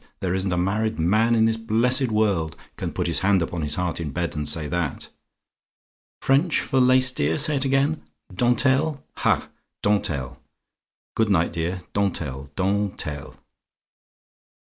There isn't a married man in this blessed world can put his hand upon his heart in bed and say that. French for lace, dear? Say it again. "DENTELLE? "Ha! Dentelle! Good night, dear. Dentelle! Den telle."